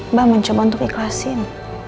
mbak mencoba untuk ikhlasin